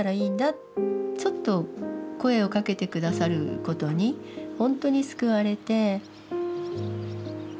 ちょっと声をかけて下さることにほんとに救われて。